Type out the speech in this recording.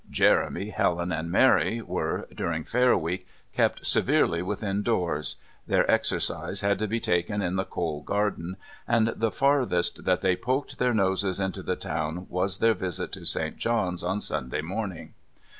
Jeremy, Helen and Mary were, during Fair Week, kept severely within doors; their exercise had to be taken in the Cole garden, and the farthest that they poked their noses into the town was their visit to St. John's on Sunday morning.